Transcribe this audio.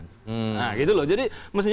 nah gitu loh jadi